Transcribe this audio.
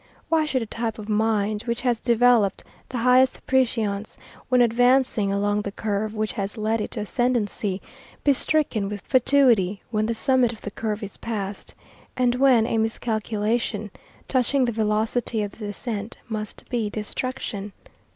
Why should a type of mind which has developed the highest prescience when advancing along the curve which has led it to ascendancy, be stricken with fatuity when the summit of the curve is passed, and when a miscalculation touching the velocity of the descent must be destruction?